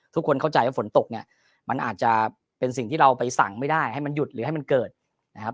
เข้าใจว่าฝนตกเนี่ยมันอาจจะเป็นสิ่งที่เราไปสั่งไม่ได้ให้มันหยุดหรือให้มันเกิดนะครับ